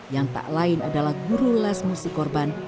yang tak lain adalah guru les musik korban